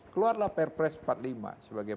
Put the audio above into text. keluarlah perpres empat puluh lima sebagai